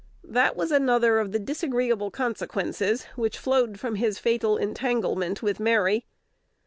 That was another of the disagreeable consequences which flowed from his fatal entanglement with Mary.